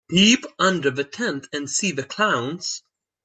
Peep under the tent and see the clowns.